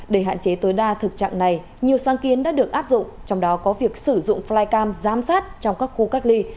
để hạn chế tối đa thực trạng này nhiều sáng kiến đã được áp dụng trong đó có việc sử dụng flycam giám sát trong các khu cách ly